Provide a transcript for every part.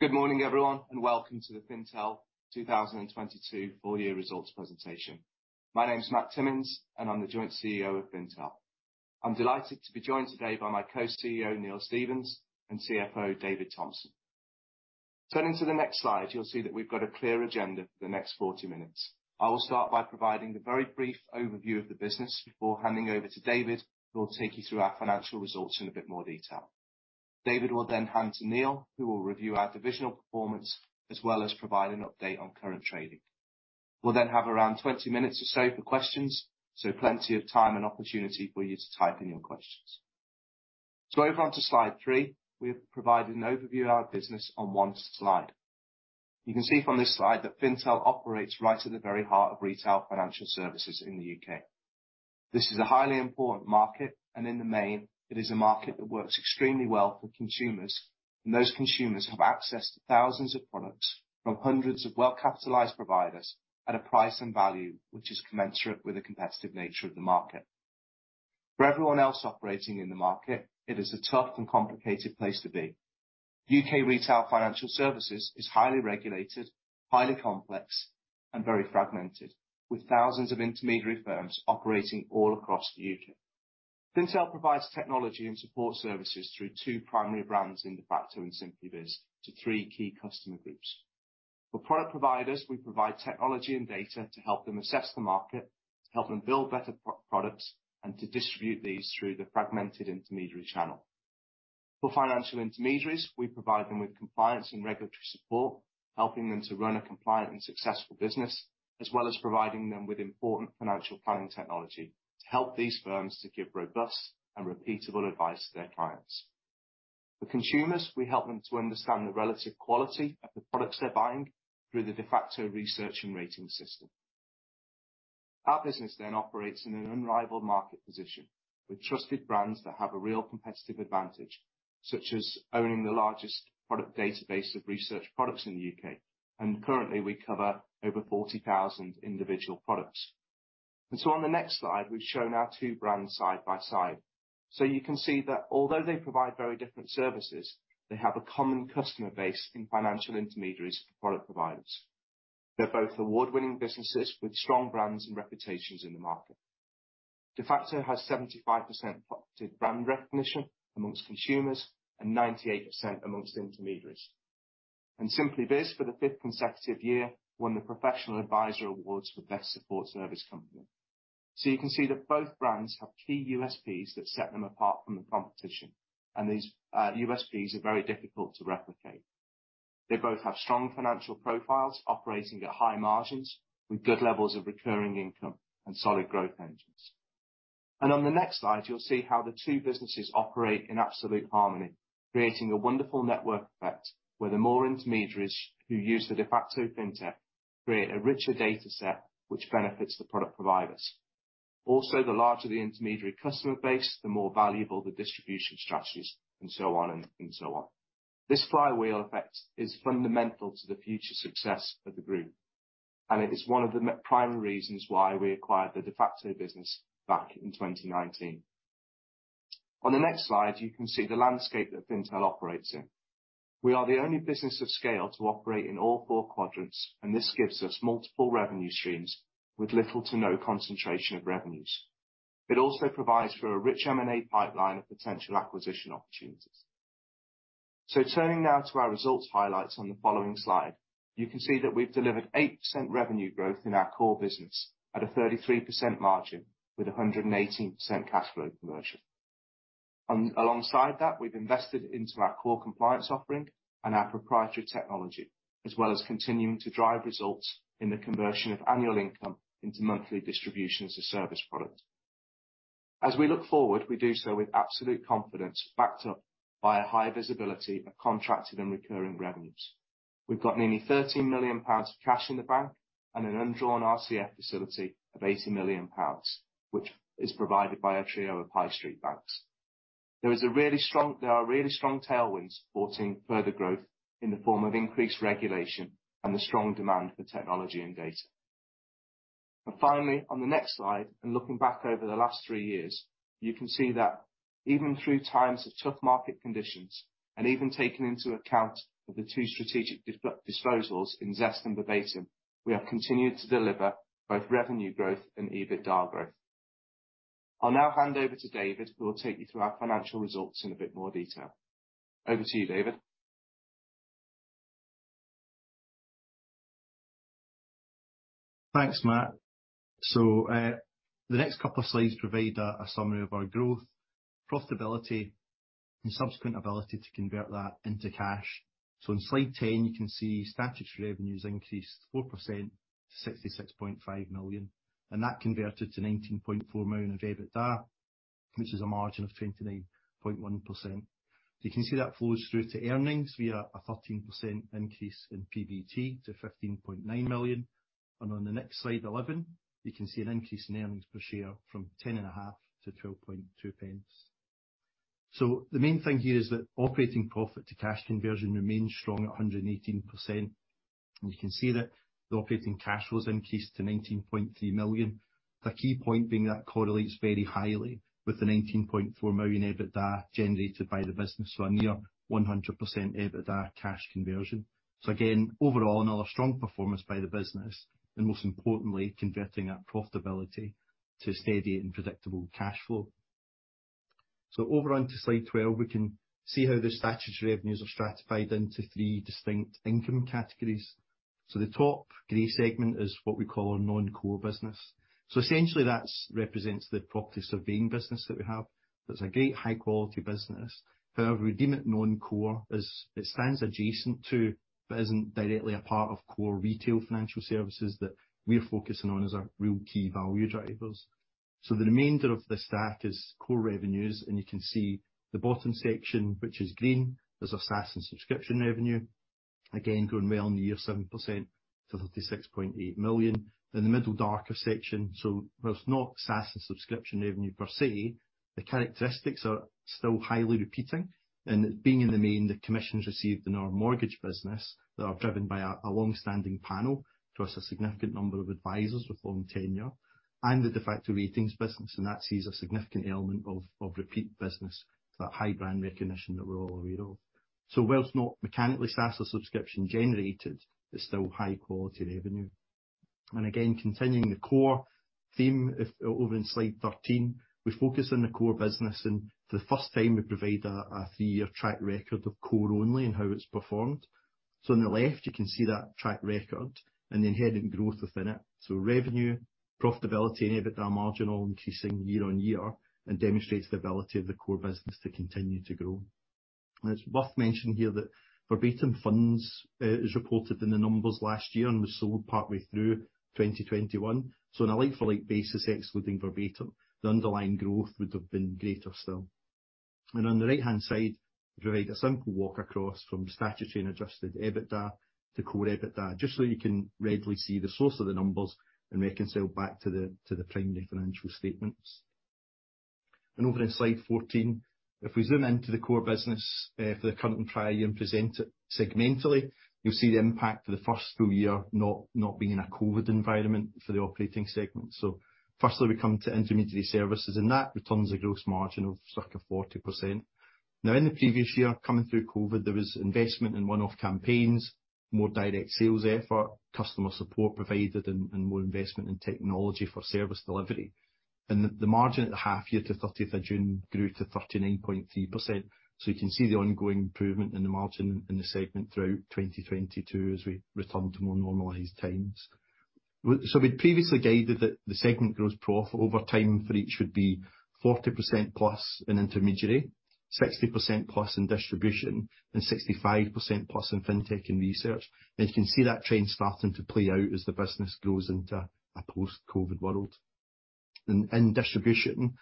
Good morning, everyone, welcome to the Fintel 2022 full year results presentation. My name is Matt Timmins, and I'm the Joint CEO of Fintel. I'm delighted to be joined today by my co-CEO, Neil Stevens, and CFO, David Thompson. Turning to the next slide, you'll see that we've got a clear agenda for the next 40 minutes. I will start by providing the very brief overview of the business before handing over to David, who will take you through our financial results in a bit more detail. David will hand to Neil, who will review our divisional performance as well as provide an update on current trading. We'll have around 20 minutes or so for questions, so plenty of time and opportunity for you to type in your questions. Over onto slide 3, we have provided an overview of our business on 1 slide. You can see from this slide that Fintel operates right at the very heart of retail financial services in the UK This is a highly important market, and in the main, it is a market that works extremely well for consumers. Those consumers have access to thousands of products from hundreds of well-capitalized providers at a price and value which is commensurate with the competitive nature of the market. For everyone else operating in the market, it is a tough and complicated place to be. UK retail financial services is highly regulated, highly complex, and very fragmented, with thousands of intermediary firms operating all across the UK Fintel provides technology and support services through 2 primary brands, Defaqto and SimplyBiz, to 3 key customer groups. For product providers, we provide technology and data to help them assess the market, to help them build better pro-products, and to distribute these through the fragmented intermediary channel. For financial intermediaries, we provide them with compliance and regulatory support, helping them to run a compliant and successful business, as well as providing them with important financial planning technology to help these firms to give robust and repeatable advice to their clients. For consumers, we help them to understand the relative quality of the products they're buying through the Defaqto research and rating system. Our business operates in an unrivaled market position with trusted brands that have a real competitive advantage, such as owning the largest product database of research products in the UK. Currently, we cover over 40,000 individual products. On the next slide, we've shown our two brands side by side. You can see that although they provide very different services, they have a common customer base in financial intermediaries for product providers. They're both award-winning businesses with strong brands and reputations in the market. Defaqto has 75% brand recognition amongst consumers and 98% amongst intermediaries. SimplyBiz, for the 5th consecutive year, won the Professional Adviser Awards for Best Support Service Company. You can see that both brands have key USPs that set them apart from the competition, and these USPs are very difficult to replicate. They both have strong financial profiles operating at high margins with good levels of recurring income and solid growth engines. On the next slide, you'll see how the two businesses operate in absolute harmony, creating a wonderful network effect where the more intermediaries who use the Defaqto Fintel create a richer data set which benefits the product providers. Also, the larger the intermediary customer base, the more valuable the distribution strategies, and so on. This flywheel effect is fundamental to the future success of the group, and it is one of the primary reasons why we acquired the Defaqto business back in 2019. On the next slide, you can see the landscape that Fintel operates in. We are the only business of scale to operate in all four quadrants, and this gives us multiple revenue streams with little to no concentration of revenues. It also provides for a rich M&A pipeline of potential acquisition opportunities. Turning now to our results highlights on the following slide. You can see that we've delivered 8% revenue growth in our core business at a 33% margin with 118% cash flow conversion. Alongside that, we've invested into our core compliance offering and our proprietary technology, as well as continuing to drive results in the conversion of annual income into monthly Distribution as a Service product. We look forward, we do so with absolute confidence, backed up by a high visibility of contracted and recurring revenues. We've got nearly GBP 13 million of cash in the bank and an undrawn RCF facility of GBP 80 million, which is provided by a trio of High Street banks. There are really strong tailwinds supporting further growth in the form of increased regulation and the strong demand for technology and data. Finally, on the next slide, looking back over the last 3 years, you can see that even through times of tough market conditions and even taking into account the 2 strategic disposals in Zest and Verbatim, we have continued to deliver both revenue growth and EBITDA growth. I'll now hand over to David, who will take you through our financial results in a bit more detail. Over to you, David. Thanks, Matt. The next couple of slides provide a summary of our growth, profitability, and subsequent ability to convert that into cash. On slide 10, you can see statutory revenues increased 4% to 66.5 million, and that converted to 19.4 million of EBITDA, which is a margin of 29.1%. You can see that flows through to earnings via a 13% increase in PBT to 15.9 million. On the next slide, 11, you can see an increase in earnings per share from 10.5 to 12.2 pence. The main thing here is that operating profit to cash conversion remains strong at 118%. You can see that the operating cash flows increased to 19.3 million. The key point being that correlates very highly with the 19.4 million EBITDA generated by the business. A near 100% EBITDA cash conversion. Again, overall, another strong performance by the business, and most importantly, converting that profitability to steady and predictable cash flow. Over on to slide 12, we can see how the statutory revenues are stratified into 3 distinct income categories. The top gray segment is what we call our non-core business. Essentially that's represents the property surveying business that we have. That's a great high-quality business. However, we deem it non-core as it stands adjacent to, but isn't directly a part of core retail financial services that we're focusing on as our real key value drivers. The remainder of the stack is core revenues, and you can see the bottom section, which is green, is our SaaS and subscription revenue. Growing well on the year, 7% to 36.8 million. The middle darker section, so whilst not SaaS and subscription revenue per se, the characteristics are still highly repeating, and being in the main, the commissions received in our mortgage business that are driven by a long-standing panel, so that's a significant number of advisors with long tenure and the Defaqto ratings business, and that sees a significant element of repeat business, so that high brand recognition that we're all aware of. Whilst not mechanically SaaS or subscription generated, it's still high-quality revenue. Continuing the core theme of... Over in slide 13, we focus on the core business. For the first time, we provide a 3-year track record of core only and how it's performed. On the left, you can see that track record and the inherent growth within it. Revenue, profitability, and EBITDA margin all increasing year-over-year and demonstrates the ability of the core business to continue to grow. It's worth mentioning here that Verbatim Funds is reported in the numbers last year and was sold partway through 2021. On a like-for-like basis, excluding Verbatim, the underlying growth would have been greater still. On the right-hand side, we provide a simple walk across from the statutory and adjusted EBITDA to core EBITDA, just so you can readily see the source of the numbers and reconcile back to the primary financial statements. Over in slide 14, if we zoom into the core business for the current and prior year and present it segmentally, you'll see the impact of the first full year not being in a COVID environment for the operating segment. Firstly, we come to intermediary services, and that returns a gross margin of circa 40%. In the previous year, coming through COVID, there was investment in one-off campaigns, more direct sales effort, customer support provided and more investment in technology for service delivery. The margin at the half year to 30th of June grew to 39.3%. You can see the ongoing improvement in the margin in the segment throughout 2022 as we return to more normalized times. We'd previously guided that the segment gross profit over time for each would be 40% plus in intermediary, 60% plus in distribution, and 65% plus in Fintel and research. You can see that trend starting to play out as the business grows into a post-COVID world. In distribution,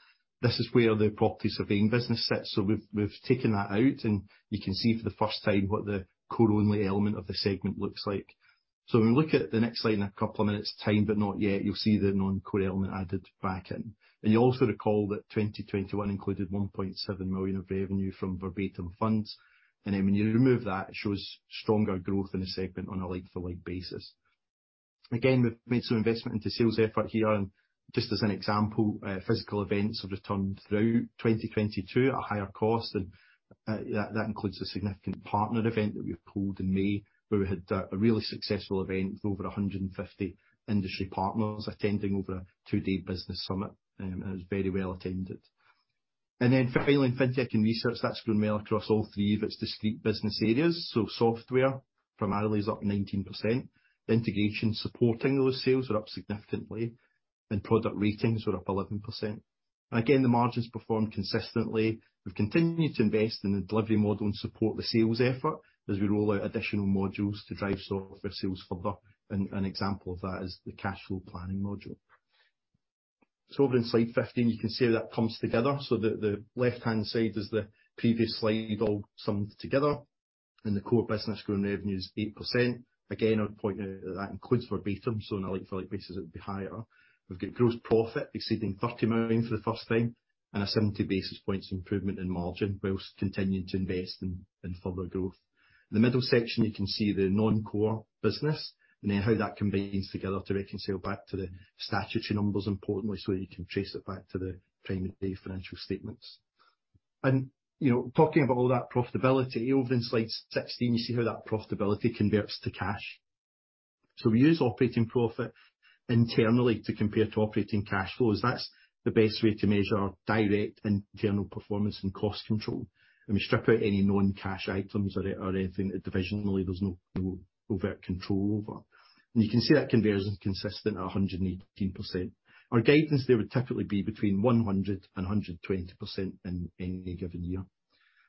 this is where the property surveying business sits. We've taken that out, and you can see for the first time what the core-only element of the segment looks like. When we look at the next slide in a couple of minutes' time, but not yet, you'll see the non-core element added back in. You also recall that 2021 included 1.7 million of revenue from Verbatim Funds. When you remove that, it shows stronger growth in the segment on a like-for-like basis. Again, we've made some investment into sales effort here. Just as an example, physical events have returned throughout 2022 at a higher cost. That includes a significant partner event that we've pulled in May, where we had a really successful event with over 150 industry partners attending over a two-day business summit, and it was very well attended. Finally, in Fintel and research, that's grown well across all three of its discrete business areas. Software primarily is up 19%. The integration supporting those sales are up significantly, and product ratings are up 11%. Again, the margins perform consistently. We've continued to invest in the delivery model and support the sales effort as we roll out additional modules to drive software sales further. An example of that is the cash flow planning module. Over in slide 15, you can see how that comes together. The left-hand side is the previous slide all summed together. In the core business, growing revenue is 8%. Again, I would point out that that includes Verbatim, so on a like-for-like basis, it would be higher. We've got gross profit exceeding 30 million for the first time and a 70 basis points improvement in margin whilst continuing to invest in further growth. The middle section, you can see the non-core business and then how that combines together to reconcile back to the statutory numbers, importantly, so you can trace it back to the primary financial statements. You know, talking about all that profitability, over in slide 16, you see how that profitability converts to cash. We use operating profit internally to compare to operating cash flows. That's the best way to measure our direct internal performance and cost control. We strip out any non-cash items or anything that divisionally there's no overt control over. You can see that conversion's consistent at 118%. Our guidance there would typically be between 100%-120% in any given year.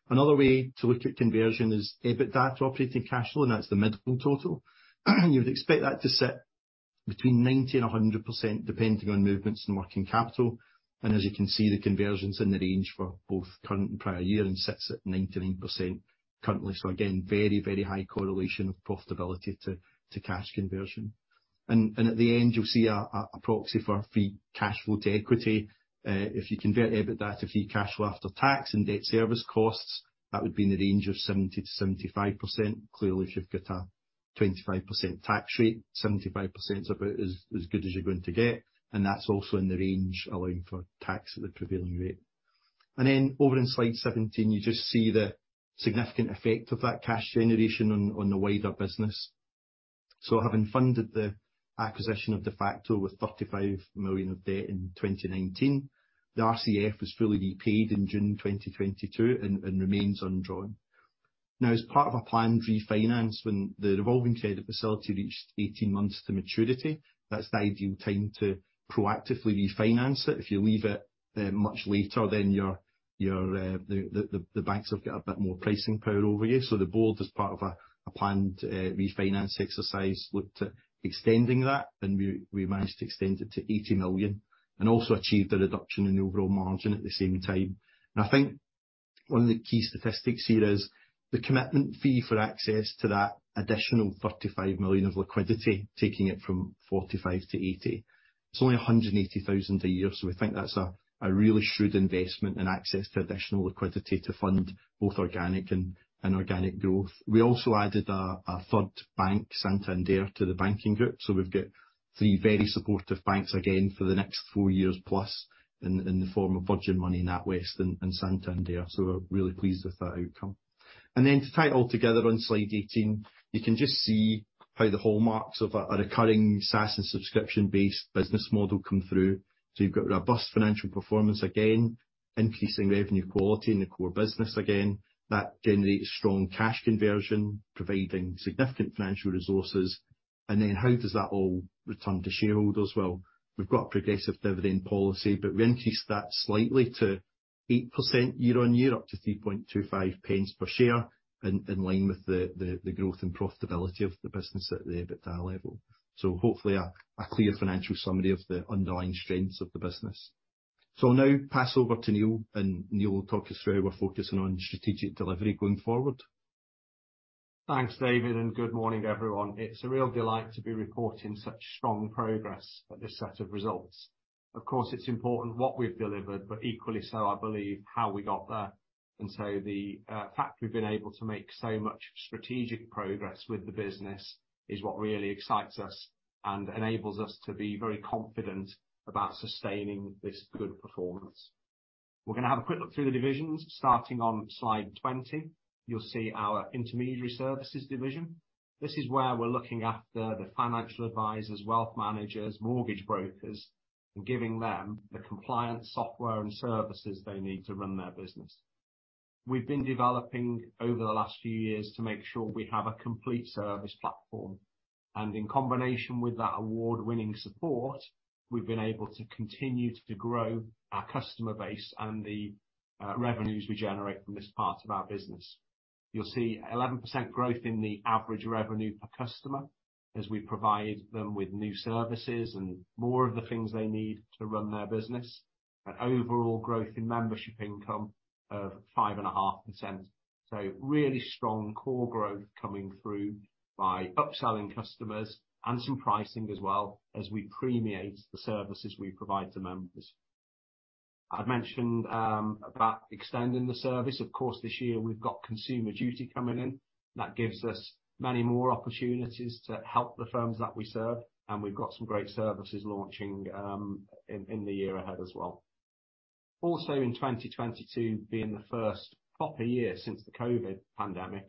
Another way to look at conversion is EBITDA to operating cash flow, that's the middle total. You would expect that to sit between 90%-100%, depending on movements in working capital. As you can see, the conversion's in the range for both current and prior year and sits at 99% currently. Again, very, very high correlation of profitability to cash conversion. At the end, you'll see a proxy for free cash flow to equity. If you convert EBITA to free cash after tax and debt service costs, that would be in the range of 70%-75%. Clearly, if you've got a 25% tax rate, 75% is about as good as you're going to get. That's also in the range allowing for tax at the prevailing rate. Over in slide 17, you just see the significant effect of that cash generation on the wider business. Having funded the acquisition of Defaqto with 35 million of debt in 2019, the RCF was fully repaid in June 2022 and remains undrawn. As part of a planned refinance when the revolving credit facility reached 18 months to maturity, that's the ideal time to proactively refinance it. If you leave it much later then your the banks have got a bit more pricing power over you. The board, as part of a planned refinance exercise, looked at extending that, and we managed to extend it to 80 million and also achieved a reduction in the overall margin at the same time. I think one of the key statistics here is the commitment fee for access to that additional 35 million of liquidity, taking it from 45 to 80. It's only 180,000 a year, so we think that's a really shrewd investment and access to additional liquidity to fund both organic and inorganic growth. We also added a third bank, Santander, to the banking group. We've got three very supportive banks again for the next 4 years plus in the form of Virgin Money, NatWest and Santander. We're really pleased with that outcome. To tie it all together on slide 18, you can just see how the hallmarks of a recurring SaaS and subscription-based business model come through. You've got robust financial performance, again, increasing revenue quality in the core business again. That generates strong cash conversion, providing significant financial resources. How does that all return to shareholders? Well, we've got a progressive dividend policy. We increased that slightly to 8% year-on-year, up to 3.25 pence per share in line with the growth and profitability of the business at the EBITA level. Hopefully a clear financial summary of the underlying strengths of the business. I'll now pass over to Neil, and Neil will talk us through our focus on strategic delivery going forward. Thanks, David. Good morning, everyone. It's a real delight to be reporting such strong progress at this set of results. Of course, it's important what we've delivered, equally so, I believe, how we got there. The fact we've been able to make so much strategic progress with the business is what really excites us and enables us to be very confident about sustaining this good performance. We're gonna have a quick look through the divisions. Starting on slide 20, you'll see our intermediary services division. This is where we're looking after the financial advisors, wealth managers, mortgage brokers, and giving them the compliant software and services they need to run their business. We've been developing over the last few years to make sure we have a complete service platform. In combination with that award-winning support, we've been able to continue to grow our customer base and the revenues we generate from this part of our business. You'll see 11% growth in the average revenue per customer as we provide them with new services and more of the things they need to run their business. An overall growth in membership income of 5.5%. Really strong core growth coming through by upselling customers and some pricing as well as we permeate the services we provide to members. I've mentioned about extending the service. Of course, this year we've got Consumer Duty coming in. That gives us many more opportunities to help the firms that we serve, and we've got some great services launching in the year ahead as well. In 2022 being the first proper year since the COVID pandemic,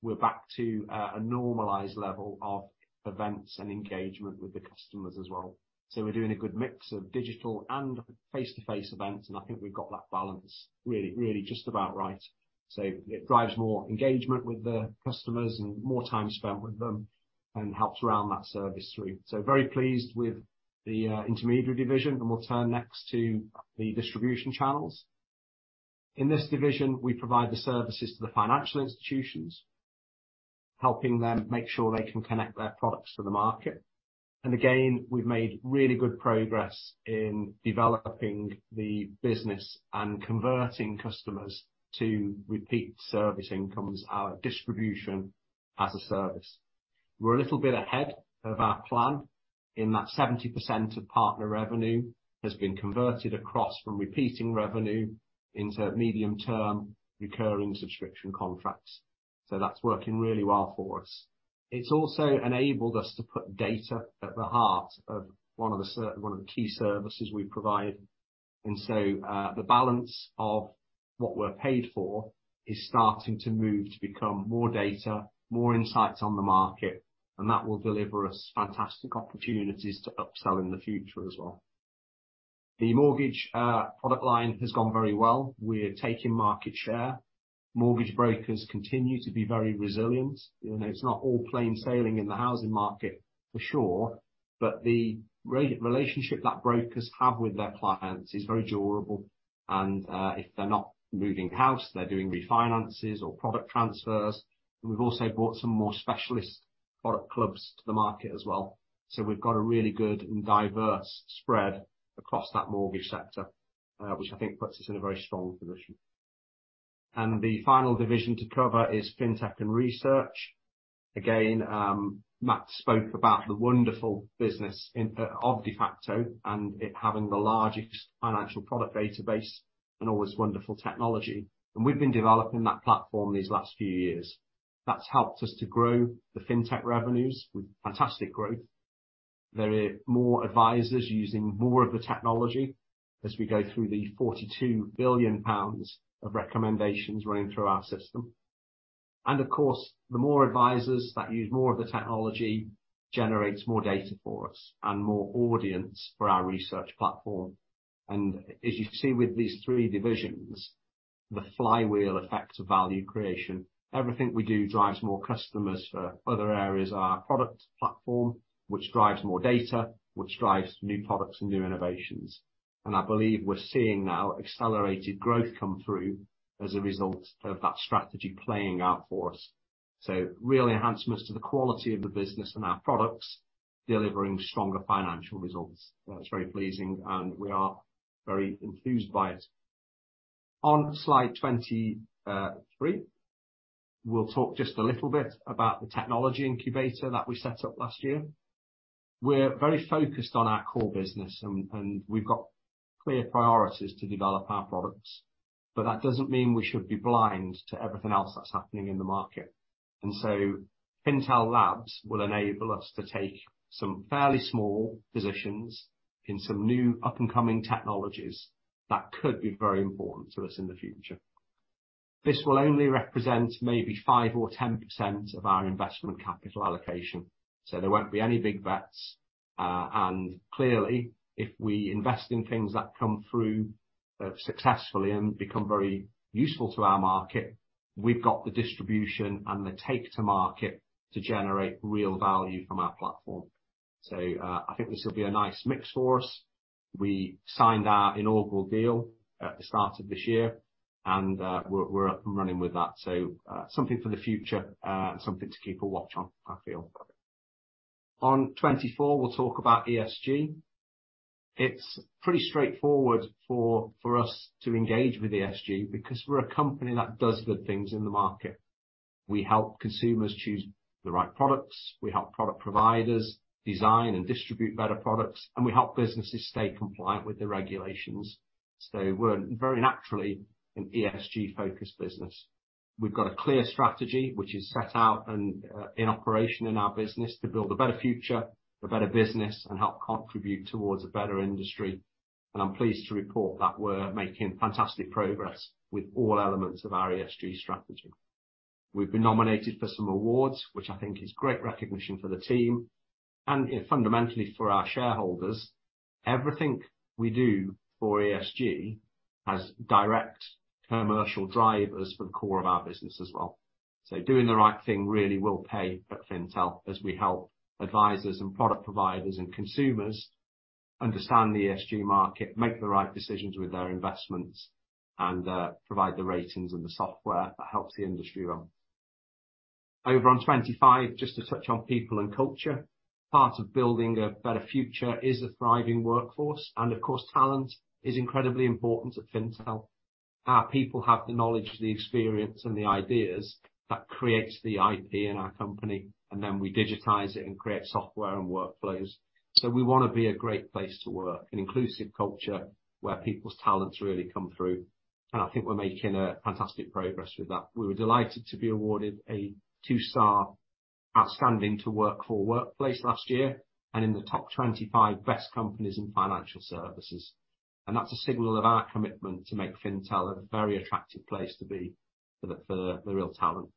we're back to a normalized level of events and engagement with the customers as well. We're doing a good mix of digital and face-to-face events, and I think we've got that balance really just about right. It drives more engagement with the customers and more time spent with them and helps round that service through. Very pleased with the intermediary division, and we'll turn next to the distribution channels. In this division, we provide the services to the financial institutions, helping them make sure they can connect their products to the market. Again, we've made really good progress in developing the business and converting customers to repeat service incomes, our Distribution as a Service. We're a little bit ahead of our plan in that 70% of partner revenue has been converted across from repeating revenue into medium term recurring subscription contracts. That's working really well for us. It's also enabled us to put data at the heart of one of the key services we provide. The balance of what we're paid for is starting to move to become more data, more insights on the market, and that will deliver us fantastic opportunities to upsell in the future as well. The mortgage product line has gone very well. We're taking market share. Mortgage brokers continue to be very resilient. You know, it's not all plain sailing in the housing market for sure, but the re-relationship that brokers have with their clients is very durable and if they're not moving house, they're doing refinances or product transfers. We've also brought some more specialist product clubs to the market as well. We've got a really good and diverse spread across that mortgage sector, which I think puts us in a very strong position. The final division to cover is Fintel and research. Again, Matt spoke about the wonderful business of Defaqto and it having the largest financial product database and all this wonderful technology. We've been developing that platform these last few years. That's helped us to grow the Fintel revenues with fantastic growth. There are more advisors using more of the technology as we go through the 42 billion pounds of recommendations running through our system. Of course, the more advisors that use more of the technology generates more data for us and more audience for our research platform. As you see with these three divisions, the flywheel effect of value creation, everything we do drives more customers for other areas of our product platform, which drives more data, which drives new products and new innovations. I believe we're seeing now accelerated growth come through as a result of that strategy playing out for us. Really enhancements to the quality of the business and our products, delivering stronger financial results. That's very pleasing, and we are very enthused by it. On slide 23, we'll talk just a little bit about the technology incubator that we set up last year. We're very focused on our core business and we've got clear priorities to develop our products. That doesn't mean we should be blind to everything else that's happening in the market. Fintel Labs will enable us to take some fairly small positions in some new up-and-coming technologies that could be very important to us in the future. This will only represent maybe 5% or 10% of our investment capital allocation. So there won't be any big bets. Clearly, if we invest in things that come through successfully and become very useful to our market, we've got the distribution and the take to market to generate real value from our platform. I think this will be a nice mix for us. We signed our inaugural deal at the start of this year, and we're up and running with that. Something for the future, and something to keep a watch on, I feel. On 24, we'll talk about ESG. It's pretty straightforward for us to engage with ESG because we're a company that does good things in the market. We help consumers choose the right products, we help product providers design and distribute better products, and we help businesses stay compliant with the regulations. We're very naturally an ESG-focused business. We've got a clear strategy which is set out and in operation in our business to build a better future, a better business, and help contribute towards a better industry. I'm pleased to report that we're making fantastic progress with all elements of our ESG strategy. We've been nominated for some awards, which I think is great recognition for the team and fundamentally for our shareholders. Everything we do for ESG has direct commercial drivers for the core of our business as well. Doing the right thing really will pay at Fintel as we help advisors and product providers and consumers understand the ESG market, make the right decisions with their investments, and provide the ratings and the software that helps the industry run. Over on 25, just to touch on people and culture. Part of building a better future is a thriving workforce, and of course, talent is incredibly important at Fintel. Our people have the knowledge, the experience, and the ideas that creates the IP in our company, and then we digitize it and create software and workflows. We wanna be a great place to work, an inclusive culture where people's talents really come through. I think we're making a fantastic progress with that. We were delighted to be awarded a 2 Star outstanding to work for workplace last year and in the top 25 Best Companies in financial services. That's a signal of our commitment to make Fintel a very attractive place to be for the real talent.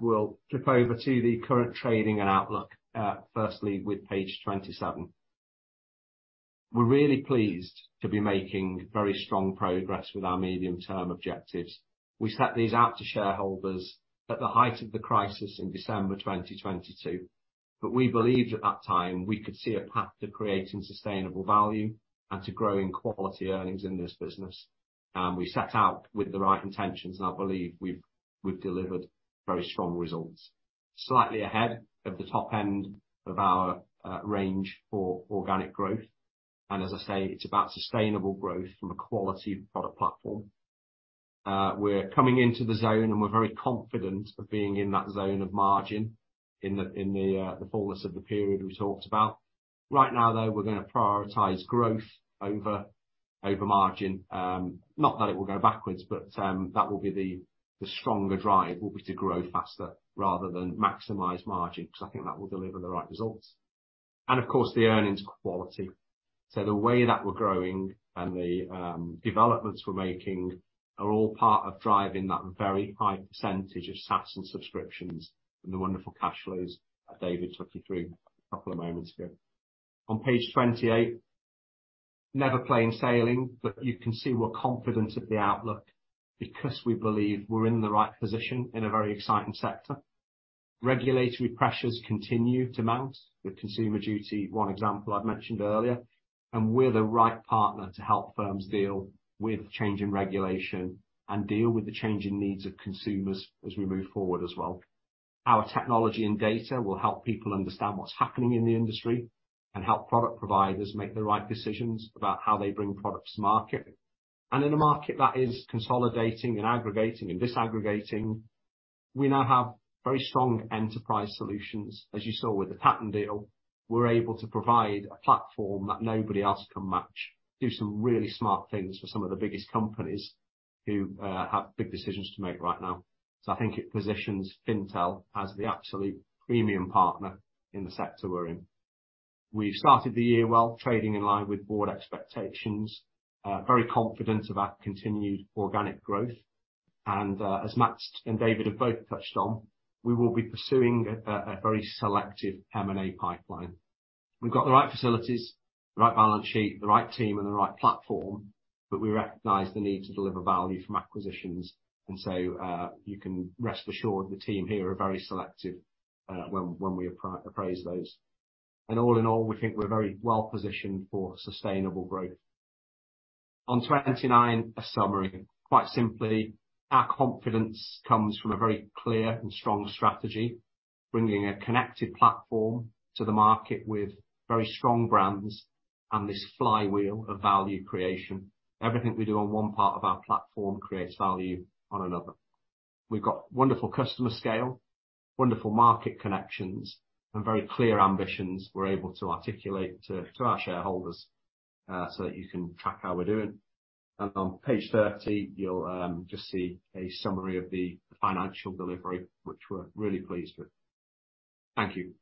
We'll flip over to the current trading and outlook, firstly with page 27. We're really pleased to be making very strong progress with our medium-term objectives. We set these out to shareholders at the height of the crisis in December 2022. We believed at that time we could see a path to creating sustainable value and to growing quality earnings in this business. We set out with the right intentions, and I believe we've delivered very strong results. Slightly ahead of the top end of our range for organic growth. As I say, it's about sustainable growth from a quality product platform. We're coming into the zone, and we're very confident of being in that zone of margin in the fullness of the period we talked about. Right now, though, we're gonna prioritize growth over margin. Not that it will go backwards, but that will be the stronger drive will be to grow faster rather than maximize margin, 'cause I think that will deliver the right results. Of course, the earnings quality. The way that we're growing and the developments we're making are all part of driving that very high percentage of SaaS and subscriptions and the wonderful cash flows that David took you through a couple of moments ago. On page 28, never plain sailing, but you can see we're confident of the outlook because we believe we're in the right position in a very exciting sector. Regulatory pressures continue to mount, with Consumer Duty one example I've mentioned earlier. We're the right partner to help firms deal with changing regulation and deal with the changing needs of consumers as we move forward as well. Our technology and data will help people understand what's happening in the industry and help product providers make the right decisions about how they bring products to market. In a market that is consolidating and aggregating and disaggregating, we now have very strong enterprise solutions. As you saw with the Patent deal, we're able to provide a platform that nobody else can match. Do some really smart things for some of the biggest companies who have big decisions to make right now. I think it positions Fintel as the absolute premium partner in the sector we're in. We started the year well, trading in line with board expectations. Very confident of our continued organic growth. As Matt and David have both touched on, we will be pursuing a very selective M&A pipeline. We've got the right facilities, the right balance sheet, the right team and the right platform, but we recognize the need to deliver value from acquisitions. So, you can rest assured the team here are very selective when we appraise those. All in all, we think we're very well positioned for sustainable growth. On 29, a summary. Quite simply, our confidence comes from a very clear and strong strategy, bringing a connected platform to the market with very strong brands and this flywheel of value creation. Everything we do on one part of our platform creates value on another. We've got wonderful customer scale, wonderful market connections, and very clear ambitions we're able to articulate to our shareholders, so that you can track how we're doing. On page 30, you'll just see a summary of the financial delivery, which we're really pleased with. Thank you.